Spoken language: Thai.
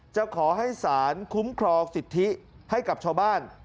จะขอให้สารคุ้มครองสิทธิให้กับชาวบ้าน